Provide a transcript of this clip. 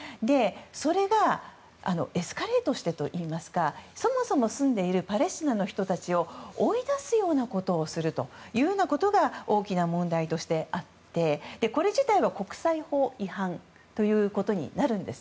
それがエスカレートしてといいますかそもそも住んでいるパレスチナの人たちを追い出すようなことをするというようなことが大きな問題としてあってこれ自体は国際法違反ということになるんです。